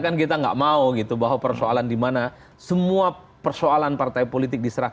itu anti hacker karena kan kita nggak mau gitu bahwa persoalan di mana semua persoalan partai politik diselenggarakan